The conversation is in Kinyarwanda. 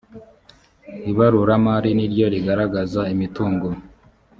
ibaruramari niryo rigaragaza imitungo